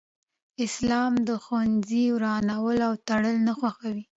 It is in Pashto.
اسلام د ښوونځي ورانول او تړل نه خوښوي